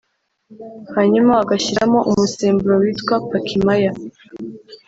hanyuma bagashyiramo umusemburo witwa Pakimaya